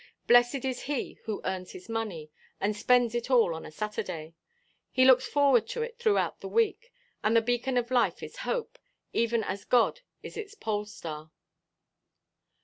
Blessed is he who earns his money, and spends it all on a Saturday. He looks forward to it throughout the week; and the beacon of life is hope, even as God is its pole–star.